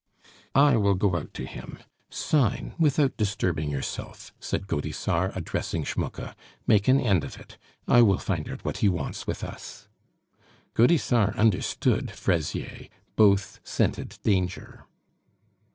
"I will go out to him. Sign without disturbing yourself," said Gaudissart, addressing Schmucke. "Make an end of it; I will find out what he wants with us." Gaudissart understood Fraisier; both scented danger.